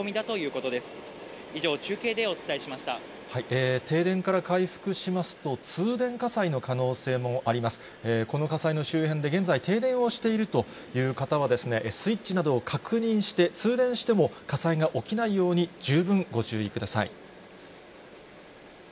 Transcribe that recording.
この火災の周辺で現在停電をしているという方はですね、スイッチなどを確認して、通電しても火災が起きないように、十分ご注意ください。